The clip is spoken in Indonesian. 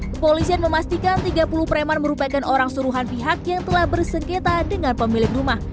kepolisian memastikan tiga puluh preman merupakan orang suruhan pihak yang telah bersengketa dengan pemilik rumah